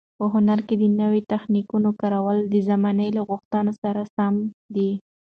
په هنر کې د نویو تخنیکونو کارول د زمانې له غوښتنو سره سم دي.